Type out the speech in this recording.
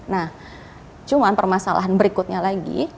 nah cuma permasalahan berikutnya lagi